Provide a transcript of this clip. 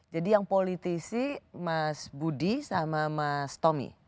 jadi yang politisi mas budi sama mas tommy